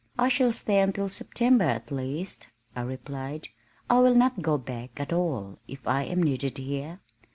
"I shall stay until September, at least," I replied. "I will not go back at all if I am needed here."